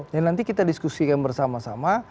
ya nanti kita diskusikan bersama sama